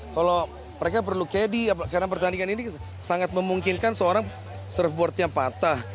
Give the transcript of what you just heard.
kalau mereka perlu caddy karena pertandingan ini sangat memungkinkan seorang surfboardnya patah